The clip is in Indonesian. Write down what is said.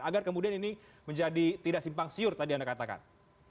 agar kemudian ini menjadi tidak simpang siur tadi anda katakan